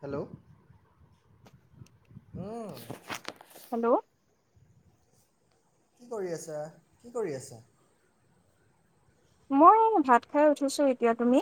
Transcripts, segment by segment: Hello, উম। Hello! কি কৰি আছা কি কৰি আছা? মই ভাত খাই উঠিছোঁ এতিয়া, তুমি?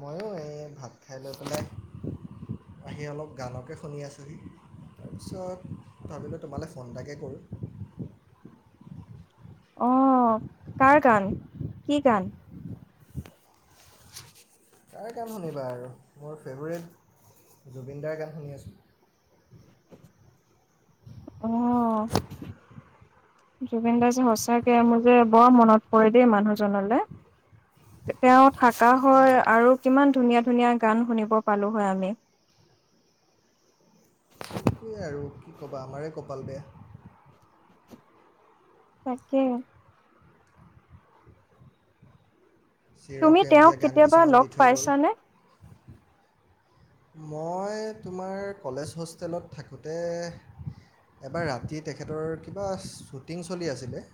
মইয়ো এই ভাত খাই লৈ পেলাই আহি অলপ গানকে শুনি আছোঁহি। তাৰপিছত ভাবিলো তোমালৈ ফোন এটাকে কৰো। অ কাৰ গান কি গান? কাৰ গান শুনিবা আৰু মোৰ ফেভৰেট জুবিনদাৰ গান শুনি আছো। অঁহ। জুবিন দা যে সঁচাকে মোৰ যে বৰ মনত পৰে দেই মানুহজনলৈ। তেওঁ থাকা তাকে হয়, আৰু কিমান ধুনীয়া-ধুনীয়া গান শুনিব পালো হয় আমি। সেইটোৱে আৰু কি ক'বা আমাৰে কপাল বেয়া তাকে। তুমি তেওঁক চিৰসেউজীয়া গান কেতিয়াবা কিছুমান লগ দি থৈ গ'ল। পাইছানে? মই তোমাৰ কলেজ হোষ্টেলত থাকোঁতে এবাৰ ৰাতি তেখেতৰ কিবা শ্বুটিং চলি আছিলে।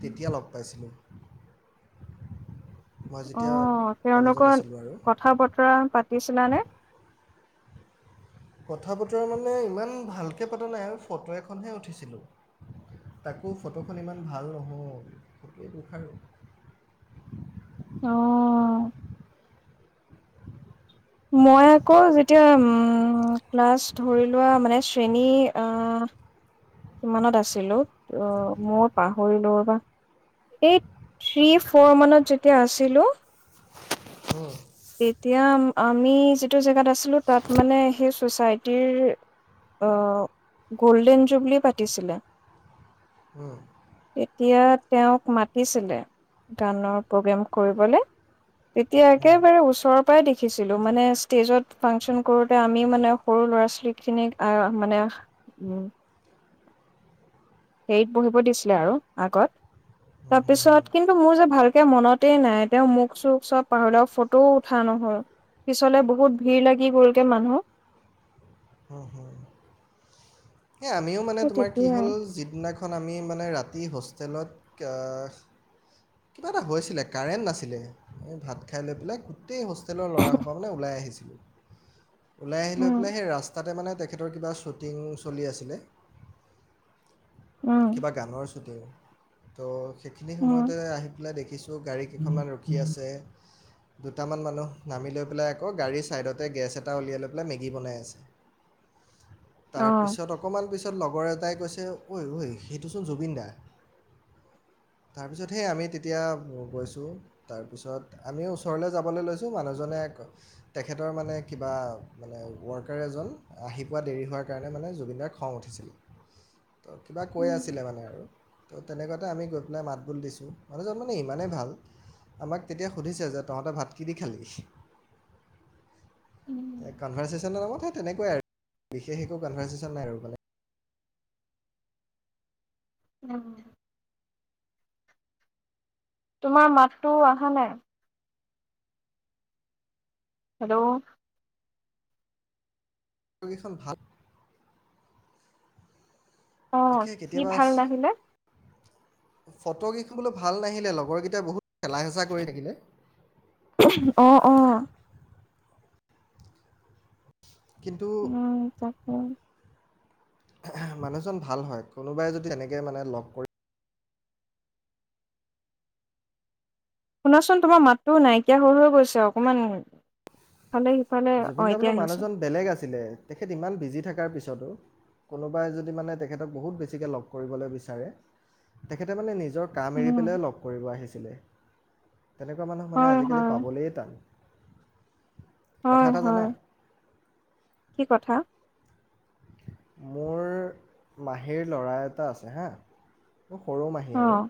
কেতি‌য়া লগ পাইছিলি? মই যেতিয়া অঁ তেওঁৰ কলেজত লগত আছিলোঁ আৰু কথা বতৰা পাতিছিলা নে? কথা বতৰা মানে ইমান ভালকৈ পতা নাই আৰু ফটো এখনহে উঠিছিলো। তাকো ফটোখন ইমান ভাল নহ'ল। [unintelligible] অহ। মই আকৌ যেতিয়া, উম, ক্লাছ ধৰি লোৱা, মানে শ্ৰেণী, আ কিমানত আছিলোঁ আ, মইও পাহৰিলো ৰ'বা এই থ্ৰী, ফ'ৰ মানত যেতিয়া আছিলো। উম, তেতিয়া আমি যিটো জেগাত আছিলো তাত মানে সেই ছ'চাইটিৰ অ', গল্ডেন জুবলি পাতিছিলে। উম। তেতিয়া তেওঁক মাতিছিলে। গানৰ প্ৰগ্ৰেম কৰিবলে তেতিয়া একে উম, একেবাৰে ওচৰৰ পৰাই দেখিছিলো, মানে ষ্টেজত ফাংচন কৰোতে, আমি মানে সৰু ল'ৰা-ছোৱালীখিনিক আহ মানে- হেৰিত বহিব দিছিলে আৰু আগত। তাৰপিছত, কিন্তু মোৰ যে ভালকে মনতেই নাই। তেওঁ মোক চুক চব পাহলেও - ত উঠা নহ'ল, পিছলে বহুত ভিৰ লাগি গ'ল কে মানুহ। হয়, হয়। সে আমিও মানে সেই তোমাৰ কি হ'ল! তেতিয়াই। যিদিনাখন আমি মানে ৰাতি হোষ্টেলত আ- কিবা এটা হৈছিলে কাৰেণ্ট নাছিলে এই ভাত খাই লৈ পেলাই গোটেই হোষ্টেলৰ ল'ৰা হোপা মানে ওলাই আহিছিলো। [inaudible] ওলাই আহি লৈ উম, পেলাই সেই ৰাস্তাতে মানে তেখেতৰ কিবা শ্বুটিং চলি আছিলে। উম, কিবা গানৰ শ্বুটিং, তো সেইখিনি সময়ত, তে উম, আহি পেলাই দেখিছোঁ, গাড়ী কেইখনমান ৰখি আছে। দুটামান মানুহ নামি লৈ পেলাই আকৌ, গাড়ীৰ ছাইডতে গেছ এটা উলিয়াই লৈ পেলাই, মেগী বনাই আছে। তাৰপিছত অ, অকণমান পিছত লগৰ এটাই কৈছে ঐ, ঐ সেইটোচোন জুবিন দা। তাৰ পিছত সেই আমি তেতিয়া গৈছোঁ। তাৰপিছত আমিও ওচৰলৈ যাবলৈ লৈছোঁ, মানুহজনে আক, তেখেতৰ মানে কিবা মানে ৱৰ্কাৰ এজন, আহি পোৱা দেৰি হোৱাৰ কাৰণে মানে, জুবিনদাৰ খং উঠিছিল। তো কিবা কৈ আছিলে মানে আৰু তো, তেনেকুৱাতে আমি গৈ পেলাই মাত বোল দিছোঁ। মানুহজন মানে ইমানেই ভাল। আমাক তেতিয়া সুধিছে যে তহঁতে ভাত কি দি খালি? কনভাৰ্চেচনৰ নামত সে তেনেকুৱাই আৰু, বিশেষ একো কনভাৰ্চেচন নাই আৰু মানে। উম। তোমাৰ মাতটো আহা নাই। হেল্ল'? ছবিখন ভাল অ'। তাকে কি কেতিয়াবা ভাল নাহিলে ফটোগিখন বোলো ভাল নাহিলে, লগৰকেইটাই বহুত ঠেলা হেচা কৰি থাকিলে। অ', অ'। কিন্তু উম, তাকে মানুহজন ভাল হয়, কোনোবাই যদি এনেকে মানে লগ কৰি শুনাচোন, তোমাৰ মাতটো নাইকিয়া হৈ হৈ গৈছে, অকমান ইফালে সিফ জুবিনদা বোলো মানুহজন বেলেগ আছিলে, তেখেত ইমান বিজি থাকাৰ পিছতো কোনোবাই যদি মানে তেখেতক বহুত বেছিকে লগ কৰিবলৈ বিচাৰে, তেখেতে মানে নি জৰ কাম এৰি উম, পেলাইও লগ কৰিব আহিছিলে। তেনেকুৱা মানুহ মানে হয়, আজিকালি হয়, পাবলেই টান। কথা হয়, এটা জানা? হয়। কি কথা মোৰ মাহীৰ ল'ৰা এটা আছে হা মোৰ সৰু মাহী আৰু। অ',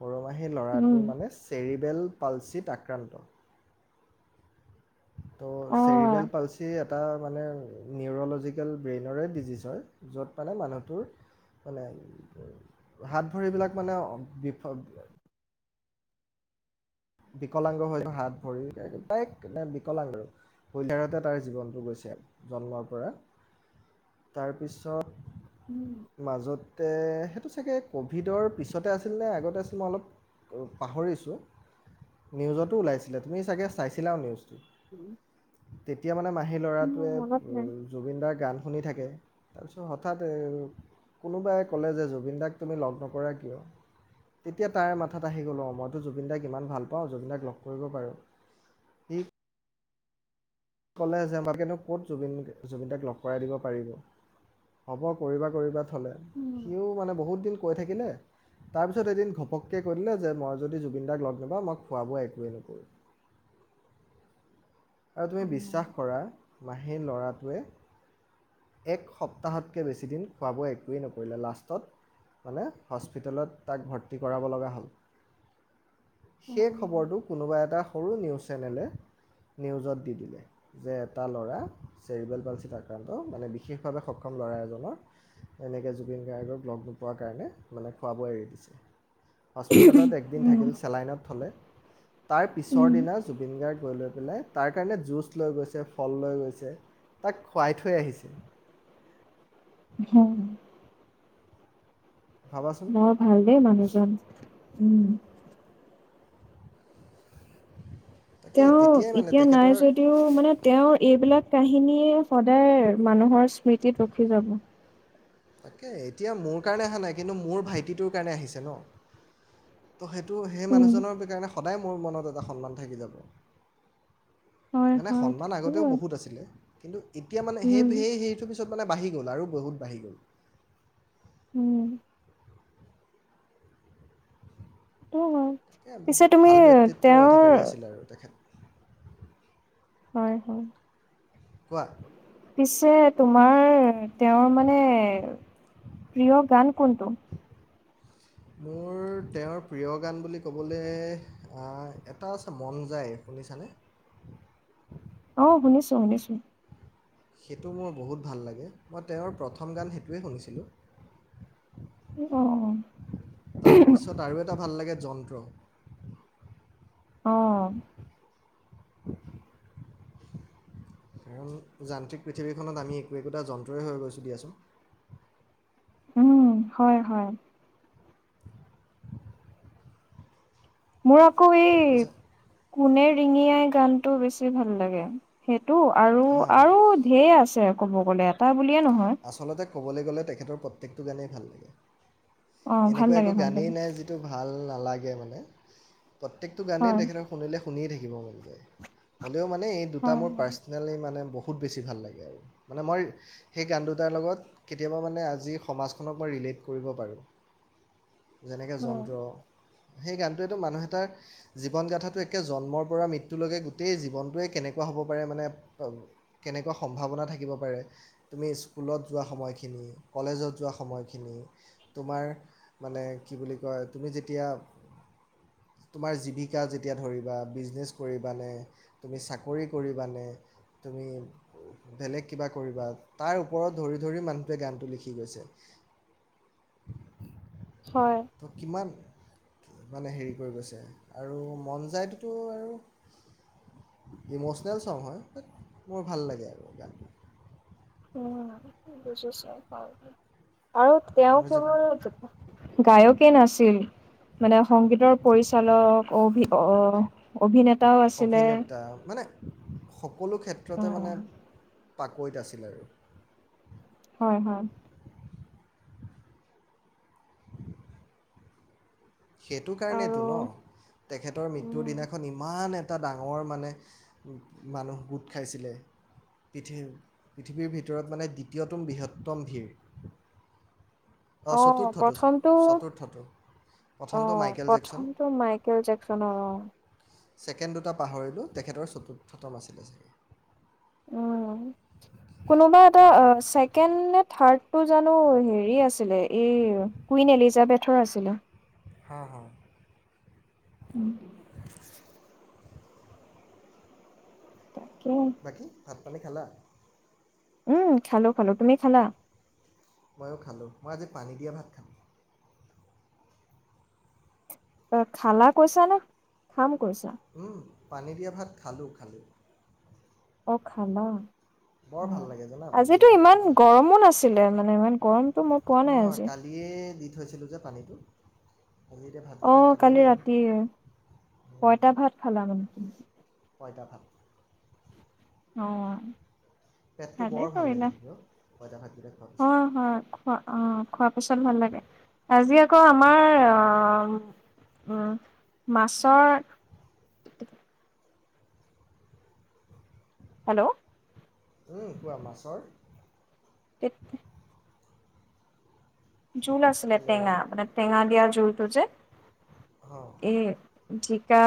সৰুমাহীৰ উম। ল'ৰাটো মানে চেৰিবেল পালচিত আক্ৰান্ত। ত' চেৰিবেল উম, পালচি তাৰ মানে নিউৰলজিকেল ব্ৰেইনৰে ডিজিজ হয়, য'ত মানে মানুহটোৰ মানে হাত ভৰিবিলাক মানে বিফ বিকলাংগ হৈ হাত ভৰি [unintelligible] বিকলাংগ আৰু। হুইল চেয়াৰতে তাৰ জীৱনটো গৈছে জন্মৰ পৰা। তাৰপিছত উম। মাজতে, সেইটো চাগে ক'ভিডৰ পিছতে আছিল নে আগতে আছিল মই অলপ উ, পাহৰিছোঁ। নিউজতো ওলাইছিলে, তুমি চাগে চাইছিলাও নিউজটো। [inaudible] তেতিয়া মানে মাহী মোৰ ল'ৰাটোৱে মনত নাই। বু-জুবিন দাৰ গান শুনি থাকে। তাৰপিছত হঠাৎ এ, কোনোবাই ক'লে যে জুবিন দাক তুমি লগ নকৰা কিয়। তেতিয়া তাৰ মাথাত আহি গ'ল অ' মইতো জুবিন দাই ইমান ভাল পাওঁ, জুবিনদাক লগ কৰিব পাৰোঁ। সি ক'লে যে আমাকেনো ক'ত জুবিন, জুবিন দাক লগ কৰাই দিব পাৰিব। হ'ব কৰিবা কৰিবা থলে, উম। সিও মানে বহুত দিন কৈ থাকিলে তাৰপিছত এদিন ঘপককে কৈ দিলে যে মই যদি জুবিন দাক লগ নাপওঁ, মই খোৱ বোৱা একোৱেই নকৰোঁ। আৰু তুমি বিচ শ্বাস কৰা মাহীৰ ল'ৰাটোৱে এক সপ্তাহতকৈ বেছিদিন খোৱা বোৱা একোৱেই নকৰিলে লাষ্টত মানে হস্পিটেলত তাক ভৰ্তি কৰাব লগা হ'ল। সেই খবৰটো কোনোবা এটা সৰু নিউজ চেনেলে নিউজত দি দিলে। যে এটা ল'ৰা চেৰিবেল পালচত আক্ৰান্ত মানে বিশেষভাৱে সক্ষম ল'ৰা এজনৰ এনেকে জুবিন গাৰ্গক লগ নোপোৱাৰ কাৰণে মানে খোৱা বোৱা এৰি দিছে। হস্পিটেলত একদিন থাকিল, চেলাইনত থলে তাৰপিছৰ দিনা জুবিন গাৰ্গ গৈ লৈ পেলাই তাৰ কাৰণে জুচ লৈ গৈছে, ফল লৈ গৈছে, তাক খোৱাই থৈ আহিছে। ভাবাচোন মই ভাল দে মানুহজন, উম। তাকে তেওঁ তেতিয়াই মানে এতিয়া নাই তেখেতৰ যদিও মানে তেওঁৰ এইবিলাক কাহিনীয়ে সদায় মানুহৰ স্মৃতিত ৰখি যাব। তাকে এতিয়া মোৰ কাৰণে অহা নাই কিন্তু মোৰ ভাইটিটোৰ কাৰণে আহিছে ন। ত সেইটো সেই উম, মানুহজনৰ কাৰণে সদায় মোৰ মনত এটা সন্মান থাকি যাব। হয় মানে হয় সন্মান আগতেও থাকিবই। বহুত আছিলে কিন্তু এতিয়া মানে সেই উম। সেই সেইটো পি পিছত মানে বাঢ়ি গ'ল আৰু বহুত বাঢ়ি গ'ল। উম। সেইটোৱো হয় তাকে পিছে বহুত তুমি ভাল ব্যক্তিত্বৰ অধিকাৰী তেওঁৰ আছিল আৰু তেখেত হয় হয়। কোৱা পিছে তোমাৰ তেওঁৰ মানে প্ৰিয় গান কোনটো? মোৰ তেওঁৰ প্ৰিয় গান বুলি ক'বলৈ আহ এ এটা আছে মন যায় শুনিছানে? অ শুনিছো শুনিছো। সেইটো মোৰ বহুত ভাল লাগে মই তেওঁৰ প্ৰথম গান সেইটোৱে শুনিছিলোঁ। আহ। তাৰপিছত আৰু এটা ভাল লাগে যন্ত্ৰ। অ। কাৰণ যান্ত্ৰিক পৃথিৱীখনত আমি একো একোটা যন্ত্ৰই হৈ গৈছো দিয়াচোন। উম হয় হয়। [inaudible] মোৰ আকৌ এই তাৰপিছত কোনে ৰিঙিয়াই গানটো বেছি ভাল লাগে। সেইটো আৰু হা আৰু ঢেৰ আছে ক'ব গ'লে এটা বুলিয়ে নহয়। আচলতে ক'বলৈ গ'লে তেখেতৰ প্ৰত্যেকটো গানেই ভাল লাগে অ', ভাল এনেকুৱা লাগে একো ভাল গানেই লাগে নাই যি যিটো ভাল নালাগে মানে প্ৰত্যেকটো গানেই হয় তেখেতৰ শুনিলে শুনিয়ে থাকিব মন যায় হ'লেও মানে এই দুটা হয় মোৰ হয়। পাৰ্চনেলি মানে বহু ত বেছি ভাল লাগে আৰু মানে মই সেই গান দুটাৰ লগত কেতিয়াবা মানে আজিৰ সমাজখনক মই ৰিলেট কৰিব পাৰোঁ। যেনেকে উম, যন্ত্ৰ সেই গানটোৱেটো মানুহ এটাৰ জীৱন গাঁথাটো একে জন্মৰ পৰা মৃত্যুলৈকে গোটেই জীৱনটোৱে কেনেকুৱা হ'ব পাৰে মানে কেনেকুৱা সম্ভাৱনা থাকিব পাৰে। তুমি স্কুলত যোৱা সময়খিনি কলেজত যোৱা সময়খিনি। তোমাৰ মানে কি বুলি কয় তুমি যেতিয়া তোমাৰ জীৱিকা যেতিয়া ধৰিবা বিজনেছ কৰিবা নে? তুমি চাকৰি কৰিবা নে তুমি বেলেগ কিবা কৰিবা তাৰ ওপৰত ধৰি ধৰি মানুহটোৱে গানটো লিখি গৈছে। হয়। কিমান? মানে হেৰি কৰি গৈছে আৰু মন যায়টোতো আৰু ইমোচনেল চং হয় মোৰ ভাল লাগে আৰু গানটো। উম বুজিছো, আৰু তেওঁ মোৰ যে কেৱল গায়কেই নাছিল, মানে সংগীতৰ পৰিচালক অভি আহ অভিনেতাও অভিনেতা মানে সকলো ক্ষেত্ৰতে মানে অ', পাকৈত আছিলে আৰু। হয় হয়। সেইটো আৰু কাৰণেতো ন তেখেতৰ মৃত্যুৰ উম, দিনাখন ইমান এটা এটা ডাঙৰ মানে মানুহ গোট খাইছিলে। পৃথিৱ পৃথিৱীৰ ভিতৰত মানে দ্বিতীয়তম বৃহত্তম ভিৰ। অঁ চতুৰ্থটো চতুৰ্থটো। প্ৰথমটো অঁ' মাইকেল জেকচন প্ৰথমটো মাইকেল জেকচনৰ অঁ'। ছেকেণ্ড দুটা পাহৰিলোঁ তেখেতৰ চতুৰ্থতম আছিলে। উম। [unintelligible] কোনোবা এটা অ ছেকেণ্ড নে থাৰ্ডটো জানো হেৰি আছিলে। এই- কুইন এলিজাবেথৰ আছিলে। হাঁ হাঁ। উম' তাকে। বাকী, ভাত পানী খালা? উম' খালো খালো, তুমি খালা? ময়ো খালোঁ, মই আজি পানী দিয়া ভাত খাম। অ' খালা কৈছা নে খাম কৈছা? উম, পানী দিয়া ভাত খালোঁ খালোঁ। অ' খালা। বৰ ভাল অঁ' লাগে জানা পানী দিয়া আজিতো ইমান ভাতকেইটা গৰমো নাছিলে মানে ইমান গৰমটো মই পোৱা নাই আজি। তিয়ে দি থৈছিলোঁ যে পানীটো। আজি এতিয়া ভাত- অ' কালি ৰাতিৰে, পয়টা ভাত খালা মানে। পইটা ভাত। অঁ পেটটো ভালেই বৰ ভাল লাগি কৰিলা, থাকে অ' পঁইতা ভাতকেইটা খোৱাৰ পিছত অঁ হয়। খোৱা অঁ খোৱা পিছত ভাল লাগে। আজি আকৌ আমাৰ অঁ- উম' মাছৰ- হেল্লৌ' উম' কোৱা মাছৰ- কেত- জোল আছিলে হেল্ল' টেঙা, মানে টেঙা দিয়া জোলটো যে। হঁ', এঁ, জিকা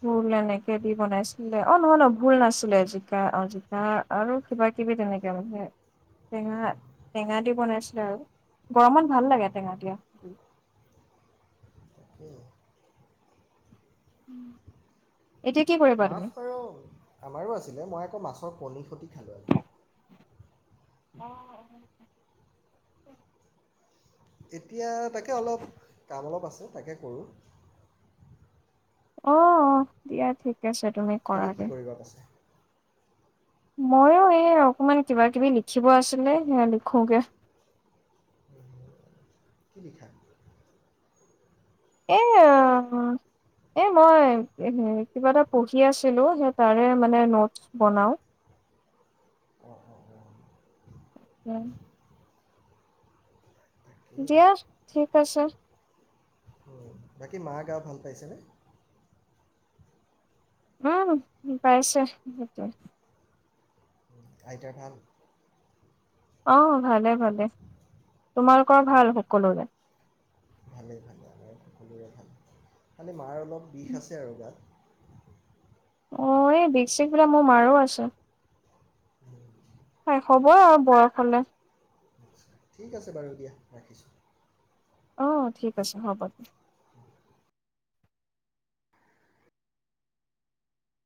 ভোল এনেকে দি বনাইছিলে, অ নহয় ন ভুল নাছিলে জিকা অঁ জিক- কা আৰু কিবা কিবি তেনেকে মানে। টেঙা টেঙা দি বনাইছিলে আৰু গৰমত ভাল লাগে টেঙা দিয়া। তাকে। এতিয়া কি কৰিবা মাছ তুমি বাৰু আমাৰো আছিলে মই আকৌ মাছৰ কণীৰ খতি খালো আজি। অঁ অঁ। এতিয়া তাকে অলপ কাম অলপ আছে তাকে কৰোঁ। অঁ অঁ দিয়া ঠিক আছে তুমি। তুমি কি কৰাগে কৰিবা পাছে? ময়ো এই অকমান কিবা কিবি লিখিব আছিলে সেয়া লিখোগে। কি লিখা? এইয়াঁ। এই মই কিবা এটা পঢ়ি আছিলোঁ, সেই তাৰে মানে নোটছ বনাওঁ। অঁ অঁ অঁ। উম। তাকেই দিয়া, ঠিক আছে। বাকী মা গা ভাল পাইছেনে। উম্ পাইছে, সেইটোৱে। আইতাৰ ভাল। অঁ ভালে ভালে তোমালোকৰ ভাল সকলোৰে। ভালেই ভালেই, আমাৰ সকলোৰে ভাল। খালি মাৰ অলপ বিষ আছে আৰু গাত। অ', এই বিষ চিক বিলাক মোৰ মাৰো আছে। হয়, হ'বই আৰু বয়স হলে। ঠিক আছে বাৰু দিয়া ৰাখিছোঁ। অঁ ঠিক আছে হ'ব দিয়া। হ। [unintelligible]